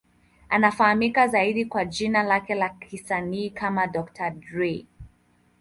Anafahamika zaidi kwa jina lake la kisanii kama Dr. Dre.